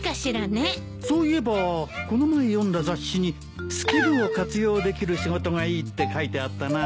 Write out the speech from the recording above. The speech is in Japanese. そういえばこの前読んだ雑誌にスキルを活用できる仕事がいいって書いてあったな。